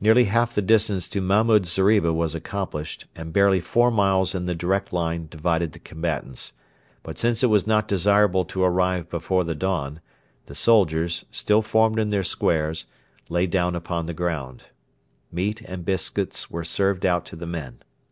Nearly half the distance to Mahmud's zeriba was accomplished, and barely four miles in the direct line divided the combatants; but since it was not desirable to arrive before the dawn, the soldiers, still formed in their squares, lay down upon the ground. Meat and biscuits were served out to the men.